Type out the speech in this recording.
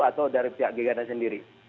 atau dari pihak gegana sendiri